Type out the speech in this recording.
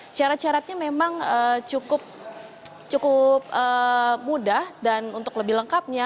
syarat syaratnya memang cukup mudah dan untuk lebih lengkapnya